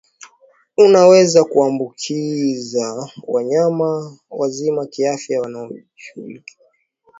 unaweza kuwaambukiza wanyama wazima kiafya wanaojisugulia kwenye miti iyo hiyo